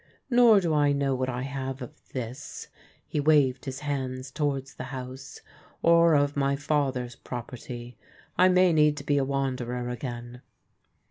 Nor do I know what I have of this "— he waved his hands towards the house —" or of my father's property. I may need to be a wanderer again."